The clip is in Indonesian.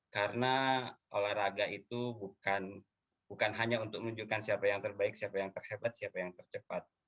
karena olahraga itu bukan hanya untuk menunjukkan siapa yang terbaik siapa yang terhebat siapa yang tercepat